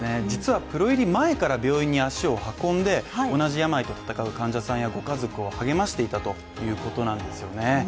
実はプロ入り前から病院に足を運んで同じ病と闘う患者さんやご家族を励ましていたということなんですよね。